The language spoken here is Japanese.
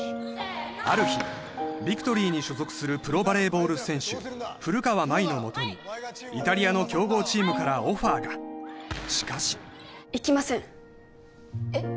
ある日ビクトリーに所属するプロバレーボール選手古川舞のもとにイタリアの強豪チームからオファーがしかし行きませんえっ？